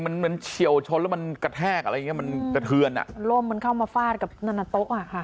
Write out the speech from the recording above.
มันเฉียวชนแล้วมันกระแทกอะไรอย่างนี้มันกระเทือนอ่ะร่วมมันเข้ามาฟาดกับหน้าโต๊ะค่ะ